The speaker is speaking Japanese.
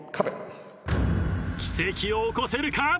奇跡を起こせるか？